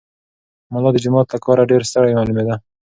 ملا د جومات له کاره ډېر ستړی معلومېده.